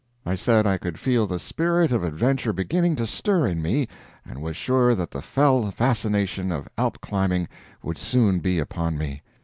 I said I could feel the spirit of adventure beginning to stir in me, and was sure that the fell fascination of Alp climbing would soon be upon me.